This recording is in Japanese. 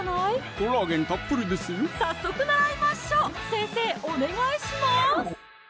コラーゲンたっぷりですよ早速習いましょう先生お願いします！